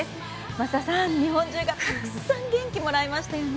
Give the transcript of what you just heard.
桝田さん、日本中がたくさん元気をもらいましたね。